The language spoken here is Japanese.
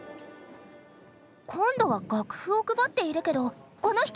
今度は楽譜を配っているけどこの人は？